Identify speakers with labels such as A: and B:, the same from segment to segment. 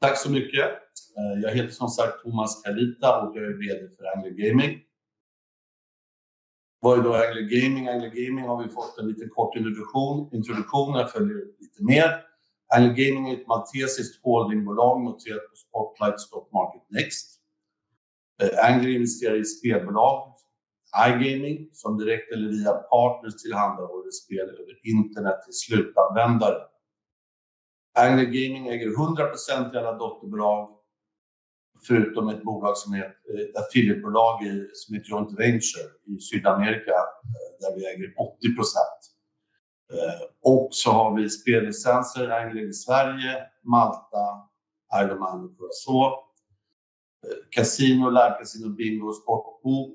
A: Tack så mycket. Jag heter som sagt Thomas Kalita och jag är vd för Angler Gaming. Vad är då Angler Gaming? Angler Gaming har vi fått en liten kort introduktion. Introduktionen följer lite mer. Angler Gaming är ett maltesiskt holdingbolag noterat på Spotlight Stock Market. Angler investerar i spelbolag. iGaming som direkt eller via partners tillhandahåller spel över internet till slutanvändare. Angler Gaming äger 100% ägande dotterbolag. Förutom ett bolag som är ett affiliatebolag i, som heter Joint Venture i South America, där vi äger 80%. Vi har spellicenser i Angler i Sweden, Malta, Germany och Curaçao. Casino, live casino, bingo, sportsbook.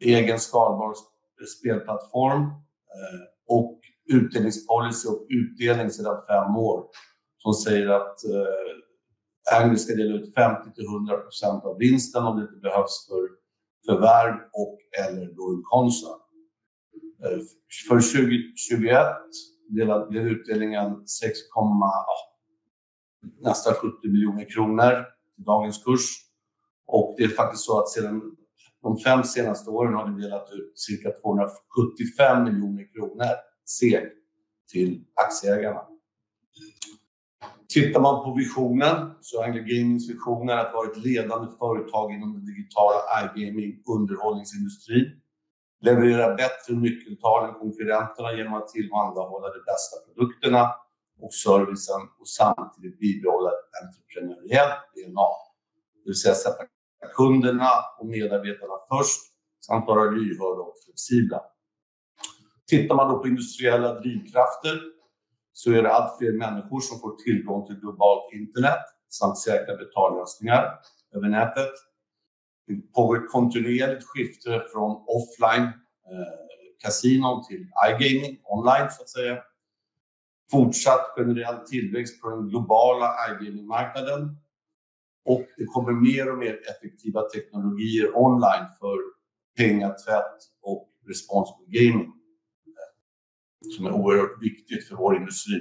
A: Egen skalbar spelplattform utdelningspolicy och utdelning sedan 5 years. Som säger att Angler ska dela ut 50%-100% av vinsten om det inte behövs för, förvärv och eller då utkonsol. För 2021 delade, blev utdelningen 6.8, nästan 70 million kronor till dagens kurs. Det är faktiskt så att sedan de 5 senaste åren har vi delat ut cirka 275 million kronor till aktieägarna. Tittar man på visionen, Angler Gaming's vision är att vara ett ledande företag inom den digitala iGaming underhållningsindustrin. Leverera bättre nyckeltal än konkurrenterna genom att tillhandahålla de bästa produkterna och servicen och samtidigt bibehålla entreprenöriell DNA. Det vill säga sätta kunderna och medarbetarna först samt vara lyhörda och flexibla. Tittar man då på industriella drivkrafter, är det allt fler människor som får tillgång till globalt internet samt säkra betallösningar över nätet. På ett kontinuerligt skifte från offline casino till iGaming online så att säga. Fortsatt generell tillväxt på den globala iGamingmarknaden. Det kommer mer och mer effektiva teknologier online för pengatvätt och Responsible Gaming, som är oerhört viktigt för vår industri.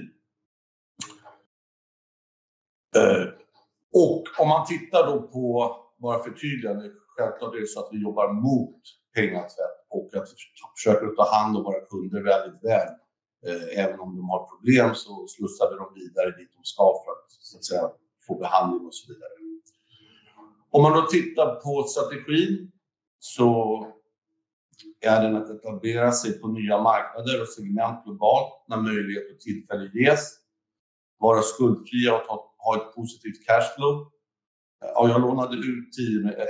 A: Om man tittar då på, bara förtydligande, självklart är det så att vi jobbar mot pengatvätt och att vi försöker ta hand om våra kunder väldigt väl. Även om de har problem så slussar vi dem vidare dit de ska för att så att säga få behandling och så vidare. Om man då tittar på strategin så är den att etablera sig på nya marknader och segment globalt när möjlighet och tillfälle ges. Vara skuldfria och ha ett positivt cashflow. Ja, jag lånade ut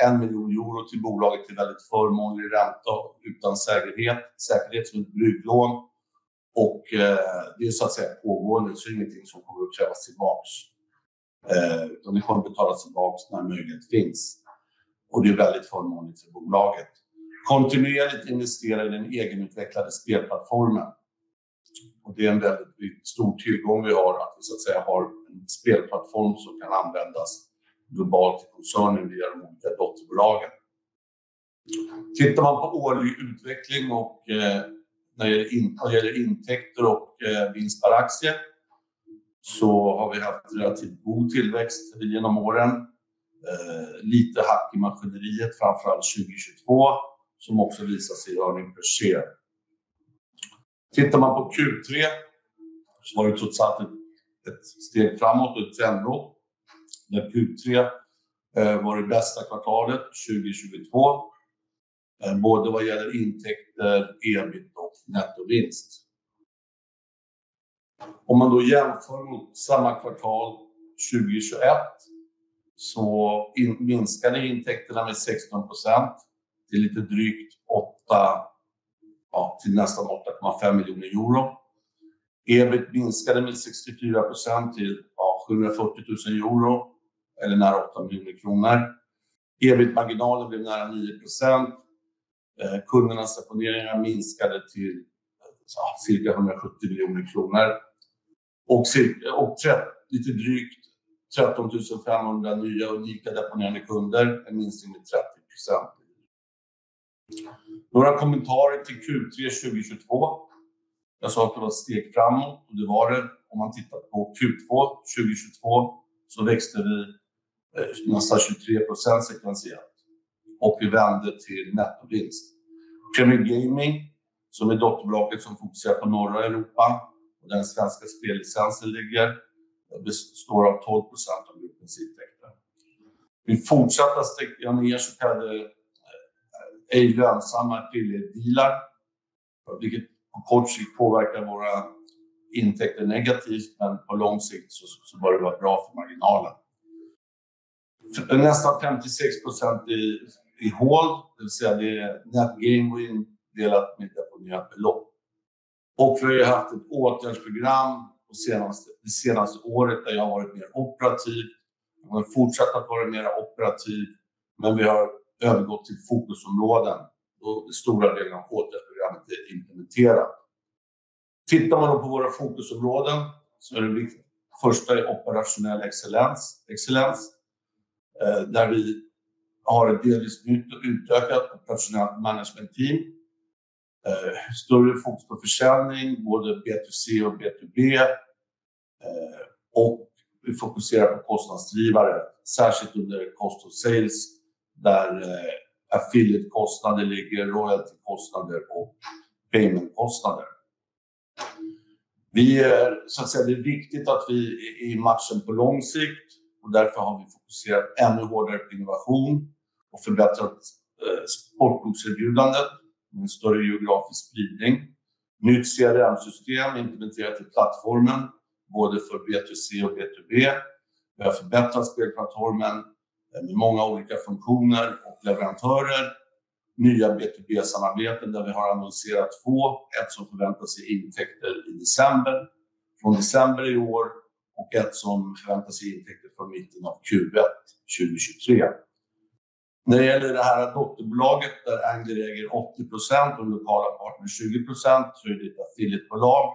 A: 1 million euro till bolaget till väldigt förmånlig ränta utan säkerhet. Säkerhet som ett brygglån. Det är så att säga pågående, så ingenting som kommer att krävas tillbaks. Vi får betalas tillbaks när möjlighet finns. Det är väldigt förmånligt för bolaget. Kontinuerligt investera i den egenutvecklade spelplattformen. Det är en väldigt stor tillgång vi har att har en spelplattform som kan användas globalt i koncernen via de olika dotterbolagen. Tittar man på årlig utveckling och när det gäller intäkter och vinst per aktier så har vi haft relativt god tillväxt genom åren. Lite hack i maskineriet, framför allt 2022, som också visas i år med C. Tittar man på Q3 så har vi trots allt ett steg framåt och ett steg ändå. När Q3 var det bästa kvartalet 2022. Både vad gäller intäkter, EBIT och nettovinst. Jämför mot samma kvartal 2021 minskade intäkterna med 16% till lite drygt 8, till nästan 8.5 million euro. EBIT minskade med 64% till 740,000 euro eller nära 8 million kronor. EBIT-marge blev nära 9%. Kundernas deponeringar minskade till cirka 170 million kronor. Cirka lite drygt 13,500 nya och unika deponerade kunder, en minskning med 30%. Några kommentarer till Q3 2022. Jag sa att det var ett steg framåt och det var det. Om man tittar på Q2 2022 så växte vi nästan 23% sekventiellt och vi vände till nettovinst. PremierGaming, som är dotterbolaget som fokuserar på norra Europa och den svenska spellicensen ligger, består av 12% av gruppens intäkter. Vi fortsatta steg ner så kallade ej lönsamma affiliate-dealar, vilket på kort sikt påverkar våra intäkter negativt, men på lång sikt så bör det vara bra för marginalen. Nästan 56% i hold, det vill säga det är Net Gaming delat med deponera belopp. Vi har haft ett återhämtprogram det senaste året där jag har varit mer operativ. Jag fortsätter att vara mera operativ, men vi har övergått till fokusområden och stora delar av återhämtprogrammet är implementerat. Tittar man på våra fokusområden så är det första i operationell excellens. Där vi har ett delvis nytt och utökat operational management team. Större fokus på försäljning, både B2C och B2B. Vi fokuserar på kostnadsdrivare, särskilt under Cost of Sales, där affiliate kostnader ligger, royalty kostnader och payment kostnader. Vi är, så att säga, det är viktigt att vi är i matchen på lång sikt och därför har vi fokuserat ännu hårdare på innovation och förbättrat sportbokserbjudandet med en större geografisk spridning. Nytt CRM-system implementerat i plattformen, både för B2C och B2B. Vi har förbättrat spelplattformen med många olika funktioner och leverantörer. Nya B2B-samarbeten där vi har annonserat 2. One som förväntas ge intäkter i December. Från December i år och one som förväntas ge intäkter från mitten av Q1 2023. När det gäller det här dotterbolaget där Angler äger 80% och lokala partner 20%, är det ett affiliate bolag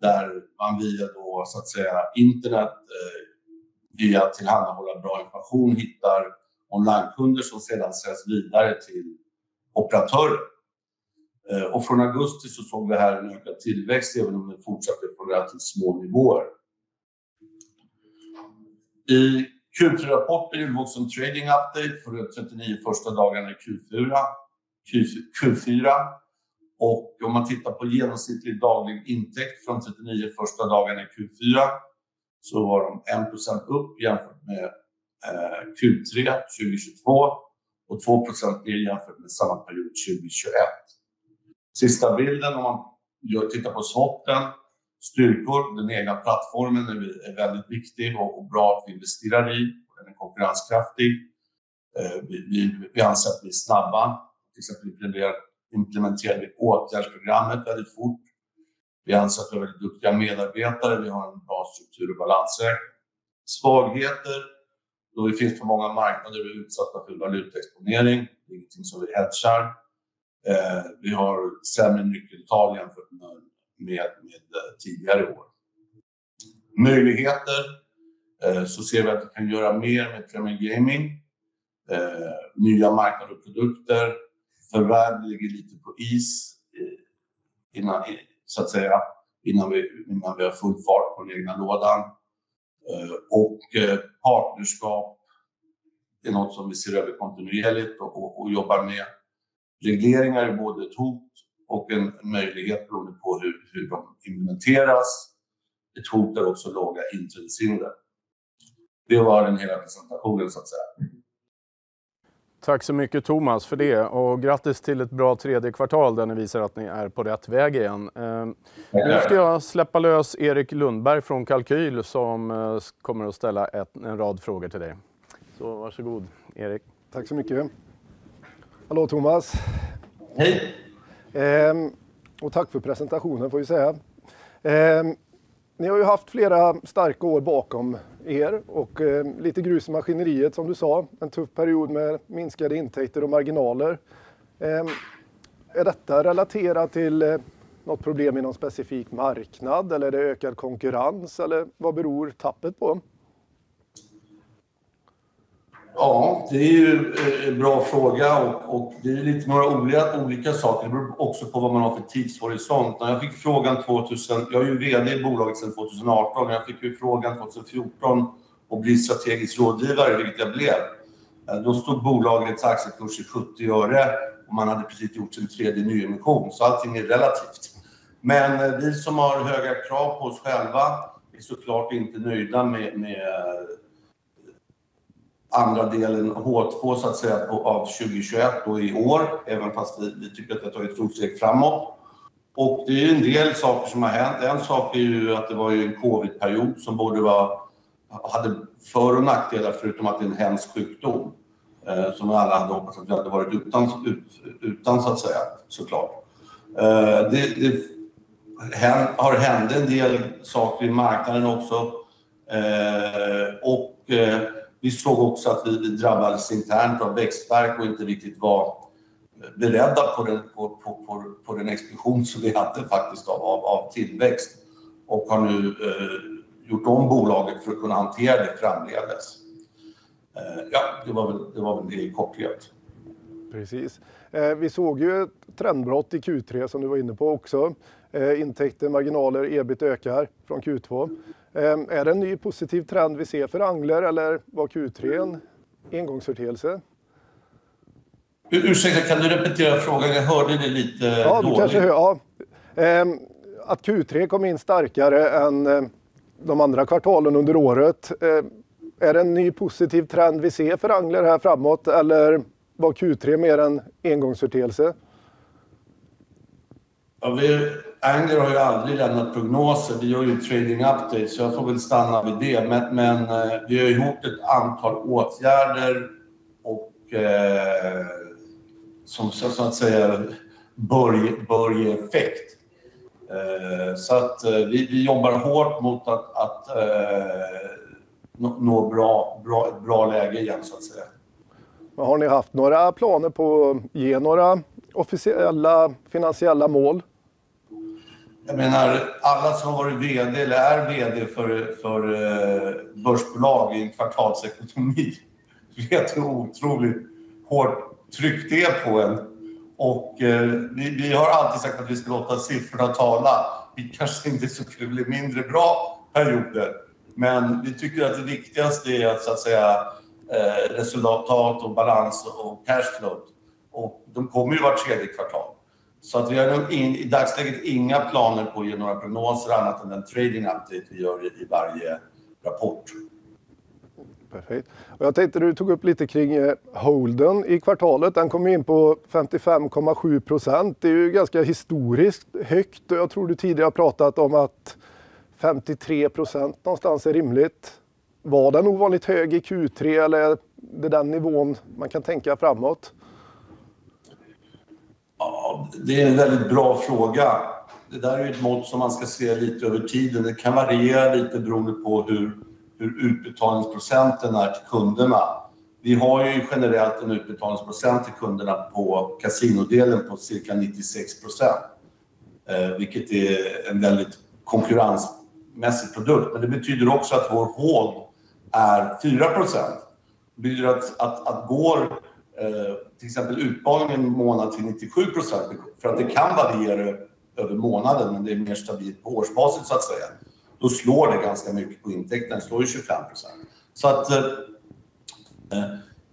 A: där man via då så att säga internet, via att tillhandahålla bra information, hittar onlinekunder som sedan sätts vidare till operatörer. Från Augusti så såg vi här en ökad tillväxt även om den fortsatte på relativt små nivåer. I Q3-rapporten var det också en trading update för de 39 första dagarna i Q4. Q4. Om man tittar på genomsnittlig daglig intäkt från 39 första dagarna i Q4 så var de 1% upp jämfört med Q3 2022 och 2% ner jämfört med samma period 2021. Sista bilden om vi tittar på SWOT. Styrkor, den egna plattformen är vi, är väldigt viktig och bra att investera i. Den är konkurrenskraftig. Vi ansatt bli snabba. Vi implementerade åtgärdsprogrammet väldigt fort. Vi ansatt väldigt duktiga medarbetare. Vi har en bra struktur och balansräkning. Svagheter. Då vi finns på många marknader, vi är utsatta för valutaexponering. Det är ingenting som vi hätschar. Vi har sämre nyckeltal jämfört med tidigare år. Möjligheter. ser vi att vi kan göra mer med Premier Gaming. Nya marknader och produkter. Förvärv ligger lite på is. Innan, så att säga, innan vi har full fart på den egna lådan. Partnerskap är något som vi ser över kontinuerligt och jobbar med. Regleringar är både ett hot och en möjlighet beroende på hur de implementeras. Ett hot är också låga inträdeshinder. Det var den hela presentationen så att säga.
B: Tack så mycket Thomas för det och grattis till ett bra tredje kvartal där ni visar att ni är på rätt väg igen. Nu ska jag släppa lös Erik Lundberg från Kalqyl som kommer att ställa en rad frågor till dig. Varsågod, Erik.
C: Tack så mycket. Hallå Thomas.
A: Hej.
C: Tack för presentationen får jag säga. Ni har ju haft flera starka år bakom er och lite grus i maskineriet som du sa. En tuff period med minskade intäkter och marginaler. Är detta relaterat till något problem i någon specifik marknad? Eller är det ökad konkurrens? Eller vad beror tappet på?
A: Ja, det är ju en bra fråga och det är lite några olika saker. Det beror också på vad man har för tidshorisont. När jag fick frågan 2000. Jag är ju VD i bolaget sedan 2018. Jag fick ju frågan 2014 att bli strategisk rådgivare, vilket jag blev. Stod bolaget i en aktiekurs i SEK 0.70 och man hade precis gjort sin third nyemission. Allting är relativt. Vi som har höga krav på oss själva är så klart inte nöjda med andra delen H2 så att säga av 2021 och i år, även fast vi tycker att det har tagit ett stort steg framåt. Det är ju en del saker som har hänt. En sak är ju att det var ju en COVID-period som både hade för- och nackdelar, förutom att det är en hemsk sjukdom. Som alla hade hoppats att vi hade varit utan så att säga så klart. Det har hände en del saker i marknaden också. Vi såg också att vi drabbades internt av växtvärk och inte riktigt var beredda på den expansion som vi hade faktiskt av tillväxt. Har nu gjort om bolaget för att kunna hantera det framledes. Det var väl, det var väl det i korthet.
C: Precis. Vi såg ju ett trendbrott i Q3 som du var inne på också. Intäkter, marginaler, EBIT ökar från Q2. Är det en ny positiv trend vi ser för Angler eller var Q3 en engångsföreteelse?
A: Ursäkta, kan du repetera frågan? Jag hörde det lite dåligt.
C: Q3 kom in starkare än de andra kvartalen under året. Är det en ny positiv trend vi ser för Angler här framåt? Var Q3 mer en engångsföreteelse?
A: Vi, Angler har ju aldrig lämnat prognoser. Vi gör ju trading updates så jag får väl stanna vid det. Vi har ju gjort ett antal åtgärder och som så att säga börjar ge effekt. Vi jobbar hårt mot att nå bra läge igen så att säga.
C: Har ni haft några planer på att ge några officiella finansiella mål?
A: Jag menar alla som har varit VD eller är VD för börsbolag i en kvartalsekonomi. Det är ett otroligt hårt tryck det är på en. Vi har alltid sagt att vi ska låta siffrorna tala. Vi kanske inte är så kul i mindre bra perioder, men vi tycker att det viktigaste är att så att säga resultattal och balans och cash flow. De kommer ju vart tredje kvartal. Vi har i dagsläget inga planer på att ge några prognoser annat än den trading update vi gör i varje rapport.
C: Perfekt. Jag tänkte du tog upp lite kring holden i kvartalet. Den kom in på 55.7%. Det är ju ganska historiskt högt. Jag tror du tidigare pratat om att 53% någonstans är rimligt. Var den ovanligt hög i Q3 eller är det den nivån man kan tänka framåt?
A: Ja, det är en väldigt bra fråga. Det där är ju ett mått som man ska se lite över tiden. Det kan variera lite beroende på hur utbetalningsprocenten är till kunderna. Vi har ju generellt en utbetalningsprocent till kunderna på kasinodelen på cirka 96%. Vilket är en väldigt konkurrensmässig produkt. Det betyder också att vår hold är 4%. Det betyder att går till exempel utbetalningen en månad till 97%. För att det kan variera över månaden, men det är mer stabilt på årsbasis så att säga. Då slår det ganska mycket på intäkten, slår ju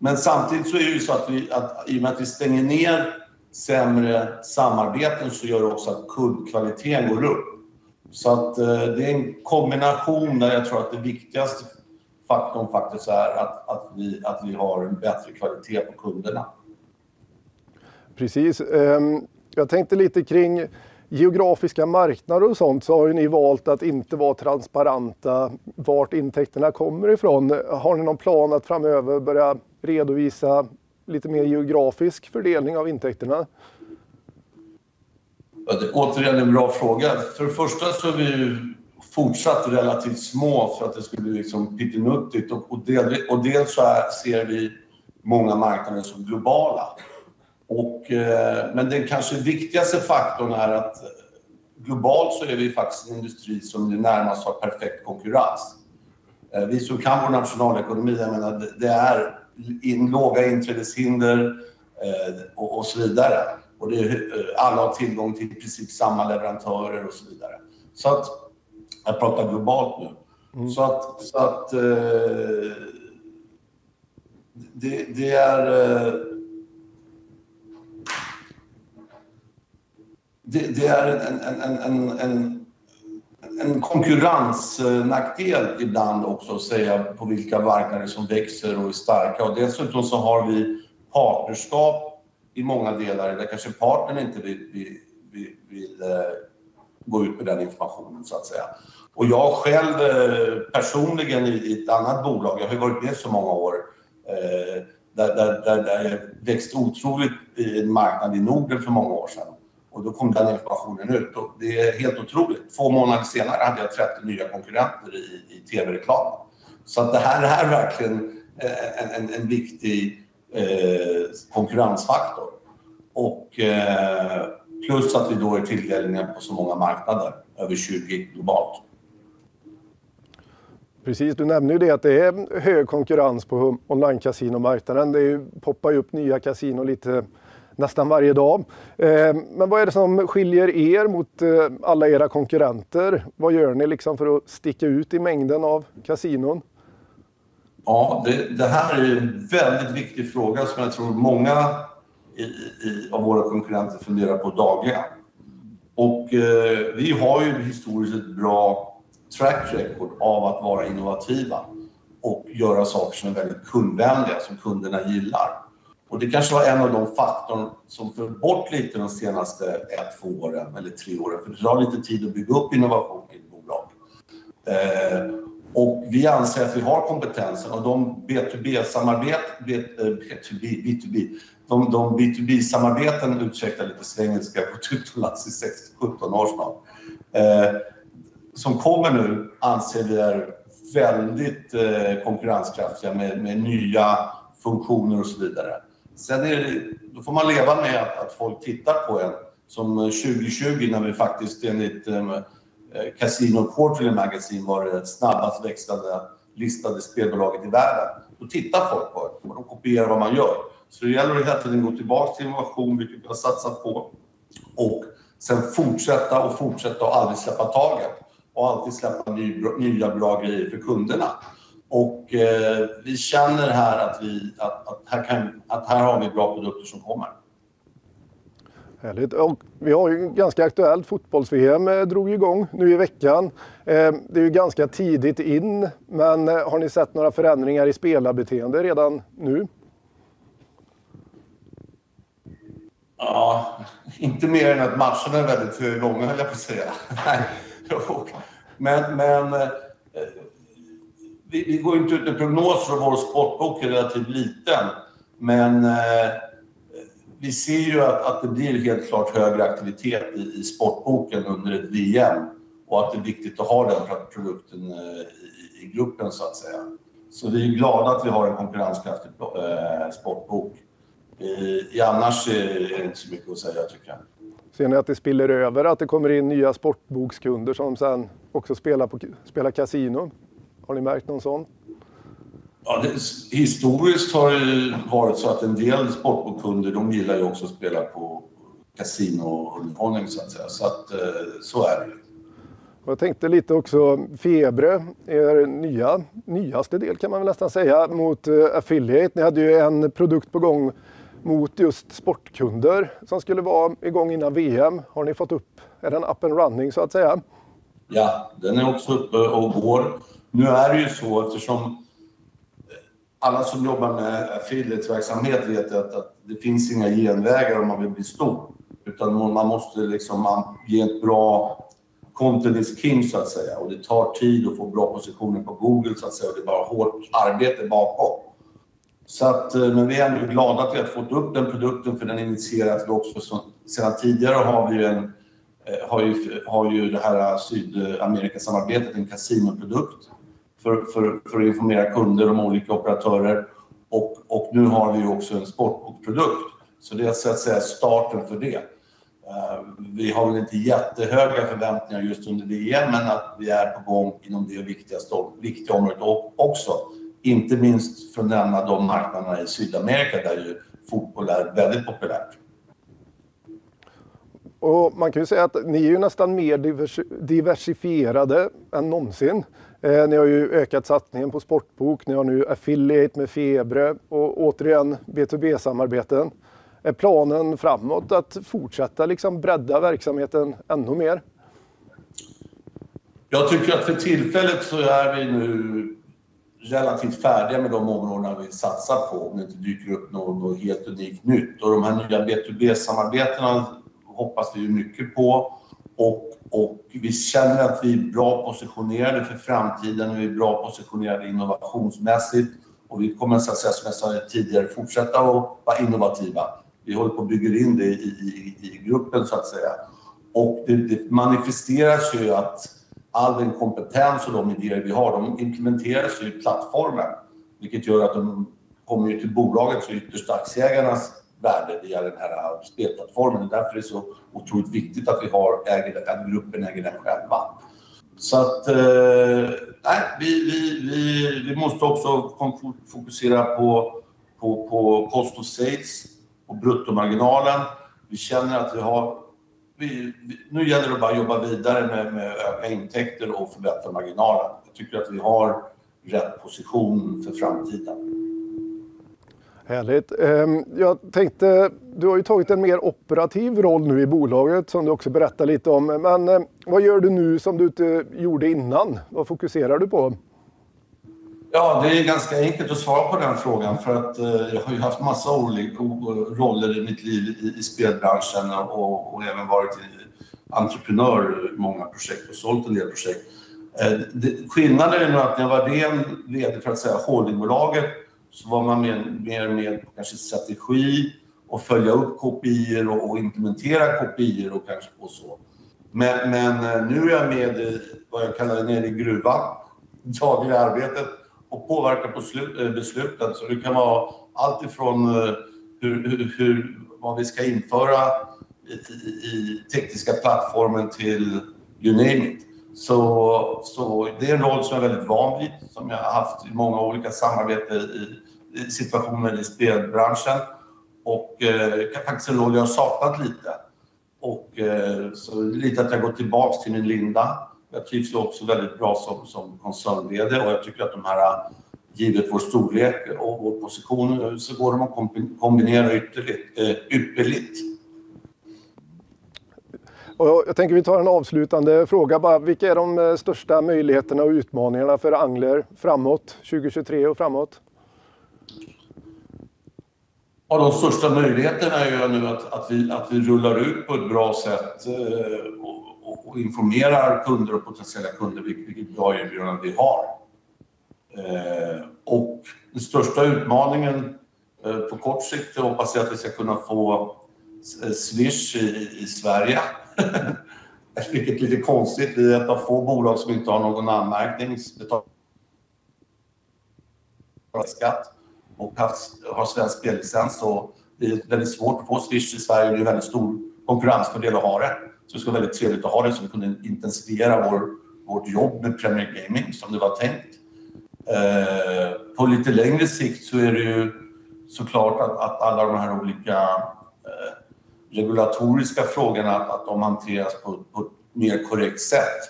A: 25%. Samtidigt så är det ju så att vi, att i och med att vi stänger ner sämre samarbeten så gör det också att kundkvalitén går upp. det är en kombination där jag tror att det viktigaste faktorn faktiskt är att vi, att vi har en bättre kvalitet på kunderna.
C: Precis. Jag tänkte lite kring geografiska marknader och sånt så har ju ni valt att inte vara transparenta vart intäkterna kommer ifrån. Har ni någon plan att framöver börja redovisa lite mer geografisk fördelning av intäkterna?
A: Återigen en bra fråga. För det första så är vi ju fortsatt relativt små för att det skulle bli liksom pittenuttigt. Dels så här ser vi många marknader som globala. Men den kanske viktigaste faktorn är att globalt så är vi faktiskt en industri som ju närmast har perfekt konkurrens. Vi som kan vår nationalekonomi, jag menar det är låga inträdeshinder, och så vidare. Alla har tillgång till i princip samma leverantörer och så vidare. Så att, jag pratar globalt nu. Så att det är en konkurrensnackdel ibland också att säga på vilka marknader som växer och är starka. Dessutom så har vi partnerskap i många delar. Det kanske partnern inte vill gå ut med den informationen så att säga. Jag själv personligen i ett annat bolag, jag har ju varit med i så många år, där jag växte otroligt i en marknad i Norden för många år sedan. Då kom den informationen ut. Det är helt otroligt. 2 månader senare hade jag 30 nya konkurrenter i tv-reklamen. Det här är verkligen en viktig konkurrensfaktor. Plus att vi då är tillgängliga på så många marknader, över 20 globalt.
C: Precis, du nämner ju det att det är hög konkurrens på online casinomarknaden. Det poppar ju upp nya casinon lite nästan varje dag. Vad är det som skiljer er mot alla era konkurrenter? Vad gör ni liksom för att sticka ut i mängden av casinon?
A: Ja, det här är en väldigt viktig fråga som jag tror många av våra konkurrenter funderar på dagligen. Vi har ju historiskt ett bra track record av att vara innovativa och göra saker som är väldigt kundvänliga, som kunderna gillar. Det kanske var en av de faktorn som föll bort lite de senaste 1, 2 åren eller 3 åren. För det tar lite tid att bygga upp innovation i ett bolag. Vi anser att vi har kompetensen och de B2B-samarbeten. De B2B-samarbeten, ursäkta lite svag engelska, har gått ut och lärt sig 16, 17 år snart, som kommer nu anser vi är väldigt konkurrenskraftiga med nya funktioner och så vidare. Då får man leva med att folk tittar på en. Som 2020 när vi faktiskt enligt Casino Control and Magazine var det snabbast växlande listade spelbolaget i världen. Då tittar folk på det. De kopierar vad man gör. Det gäller att hela tiden gå tillbaks till innovation, vilket vi har satsat på. Sen fortsätta och aldrig släppa taget. Alltid släppa nya bra grejer för kunderna. Vi känner här att vi, att här har vi bra produkter som kommer.
C: Härligt. Vi har ju ganska aktuellt fotbolls-VM drog ju i gång nu i veckan. Det är ju ganska tidigt in, men har ni sett några förändringar i spelarbeteende redan nu?
A: Ja, inte mer än att matcherna är väldigt långa höll jag på att säga. Nej, jag skåkar. vi går inte ut med prognoser för vår sportbok är relativt liten. vi ser ju att det blir helt klart högre aktivitet i sportboken under ett VM och att det är viktigt att ha den produkten i gruppen så att säga. vi är glada att vi har en konkurrenskraftig sportbok. annars är det inte så mycket att säga tycker jag.
C: Ser ni att det spiller över att det kommer in nya sportbokskunder som sedan också spelar casino? Har ni märkt någon sån?
A: Historiskt har det ju varit så att en del sportbokkunder, de gillar ju också att spela på casinounderhållning så att säga. Så är det.
C: Jag tänkte lite också Febr är er nya, nyaste del kan man väl nästan säga mot Affiliate. Ni hade ju en produkt på gång mot just sportkunder som skulle vara i gång innan VM. Har ni fått upp? Är den up and running så att säga?
A: Ja, den är också uppe och går. Nu är det ju så eftersom alla som jobbar med affiliatesverksamhet vet att det finns inga genvägar om man vill bli stor. Utan man måste liksom ge ett bra content is king så att säga. Det tar tid att få bra positioner på Google så att säga. Det är bara hårt arbete bakom. Vi är ändå glada att vi har fått upp den produkten för den initierades också. Tidigare har vi ju det här Sydameriksamarbetet, en casinoprodukt för att informera kunder om olika operatörer. Nu har vi också en sportbokprodukt. Det är så att säga starten för det. Vi har väl inte jättehöga förväntningar just under VM, att vi är på gång inom det viktiga området också. Inte minst för nämna de marknaderna i Sydamerika där ju fotboll är väldigt populärt.
C: Man kan ju säga att ni är ju nästan mer diversifierade än någonsin. Ni har ju ökat satsningen på sportbok. Ni har nu affiliate med Febr och återigen B2B-samarbeten. Är planen framåt att fortsätta liksom bredda verksamheten ännu mer?
A: Jag tycker att för tillfället så är vi nu relativt färdiga med de områdena vi satsar på. Om det inte dyker upp något helt unikt nytt. De här nya B2B-samarbetena hoppas vi mycket på. Vi känner att vi är bra positionerade för framtiden. Vi är bra positionerade innovationsmässigt och vi kommer så att säga som jag sa tidigare fortsätta att vara innovativa. Vi håller på och bygger in det i gruppen så att säga. Det manifesteras ju att all den kompetens och de idéer vi har, de implementeras i plattformen. Vilket gör ju att de kommer ju till bolaget så ytter aktieägarnas värde via den här spelplattformen. Det är därför det är så otroligt viktigt att vi äger, att gruppen äger den själva. Nej, vi måste också fokusera på cost of sales och bruttomarginalen. Vi känner att nu gäller det bara att jobba vidare med öka intäkter och förbättra marginalen. Jag tycker att vi har rätt position för framtiden.
C: Härligt. jag tänkte, du har ju tagit en mer operativ roll nu i bolaget som du också berättar lite om. Vad gör du nu som du inte gjorde innan? Vad fokuserar du på?
A: Det är ganska enkelt att svara på den frågan för att jag har ju haft massa olika roller i mitt liv i spelbranschen och även varit entreprenör i många projekt och sålt en del projekt. Skillnaden är nog att när jag var VD för att säga holdingbolaget så var man mer med kanske strategi och följa upp KPIs och implementera KPIs och kanske också. Nu är jag med i vad jag kallar nere i gruvan, dagliga arbetet och påverkar på besluten. Det kan vara allt ifrån hur vad vi ska införa i tekniska plattformen till you name it. Det är en roll som jag är väldigt van vid, som jag har haft i många olika samarbeten i situationer i spelbranschen. Det är faktiskt en roll jag har saknat lite. Lite att jag går tillbaks till min linda. Jag trivs också väldigt bra som koncernledare och jag tycker att de här, givet vår storlek och vår position, så går det att kombinera ypperligt.
C: Jag tänker vi tar en avslutande fråga bara. Vilka är de största möjligheterna och utmaningarna för Angler framåt, 2023 och framåt?
A: De största möjligheterna är ju att vi rullar ut på ett bra sätt och informerar kunder och potentiella kunder vilket bra erbjudande vi har. Och den största utmaningen på kort sikt är hoppas jag att vi ska kunna få Swish i Sverige. Vilket är lite konstigt. Vi är ett av få bolag som inte har någon anmärkning.
C: Skatt.
A: Har svensk spellicens. Det är väldigt svårt att få Swish i Sverige. Det är väldigt stor konkurrensfördel att ha det. Det skulle vara väldigt trevligt att ha det så vi kunde intensifiera vår, vårt jobb med PremierGaming som det var tänkt. På lite längre sikt så är det ju så klart att alla de här olika regulatoriska frågorna, att de hanteras på ett, på ett mer korrekt sätt.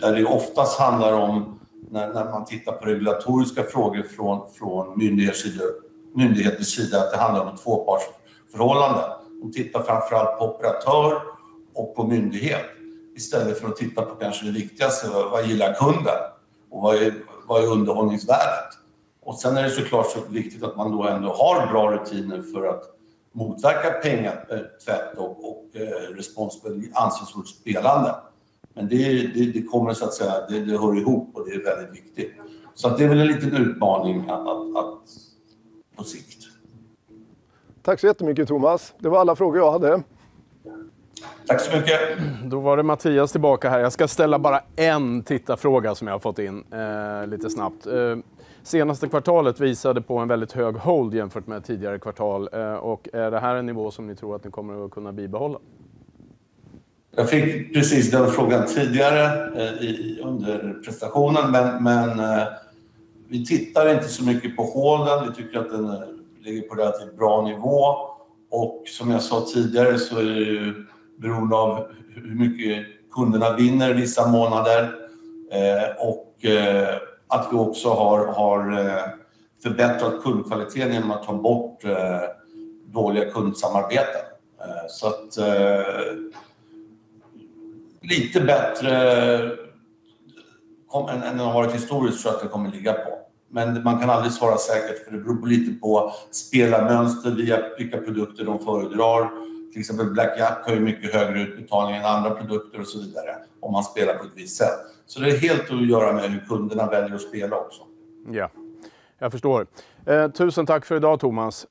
A: Där det oftast handlar om när man tittar på regulatoriska frågor från myndighetens sida, att det handlar om ett tvåpartsförhållande. De tittar framför allt på operatör och på myndighet. Istället för att titta på kanske det viktigaste, vad gillar kunden? Vad är, vad är underhållningsvärdet? Sen är det så klart viktigt att man då ändå har bra rutiner för att motverka pengatvätt och ansvarsfullt spelande. Det kommer så att säga, det hör ihop och det är väldigt viktigt. Det är väl en liten utmaning att på sikt.
C: Tack så jättemycket Thomas. Det var alla frågor jag hade.
A: Tack så mycket.
C: Då var det Mattias tillbaka här. Jag ska ställa bara en tittarfråga som jag har fått in lite snabbt. Senaste kvartalet visade på en väldigt hög hold jämfört med tidigare kvartal. Är det här en nivå som ni tror att ni kommer att kunna bibehålla?
A: Jag fick precis den frågan tidigare under presentationen, men vi tittar inte så mycket på holden. Vi tycker att den ligger på relativt bra nivå. Som jag sa tidigare så är det ju beroende av hur mycket kunderna vinner vissa månader. att vi också har förbättrat kundkvaliteten genom att ta bort dåliga kundsamarbeten. lite bättre än det har varit historiskt tror jag att det kommer att ligga på. man kan aldrig svara säkert för det beror lite på spelarmönster, via vilka produkter de föredrar. Till exempel Blackjack har ju mycket högre utbetalning än andra produkter och så vidare om man spelar på ett visst sätt. det är helt att göra med hur kunderna väljer att spela också.
C: Ja, jag förstår. Tusen tack för i dag, Thomas.